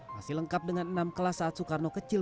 masih lengkap dengan enam kelas saat soekarno kecil